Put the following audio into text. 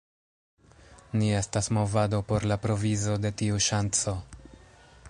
Ni estas movado por la provizo de tiu ŝanco.